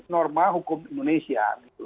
norma hukum indonesia